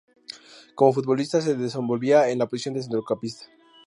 Como futbolista, se desenvolvía en la posición de centrocampista.